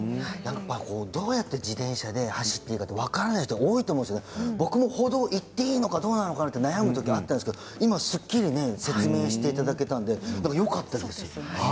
どうやって自転車で走っていいか分からない人が多いと思うんですけど僕も歩道を行っていいのか悩む時あったんですけど今、すっきり説明していただけたのでよかったです。